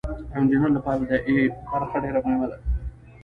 د انجینر لپاره د ای برخه ډیره مهمه ده.